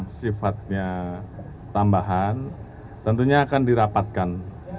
dan hal hal yang sifatnya tambahan tentunya akan dirapatkan